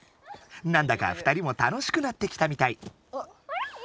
なんだか２人も楽しくなってきたみたい。